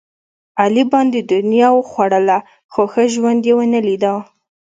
علي باندې دنیا وخوړله، خو ښه ژوند یې ونه لیدا.